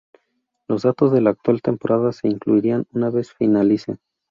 Los datos de la actual temporada se incluirán una vez finalice.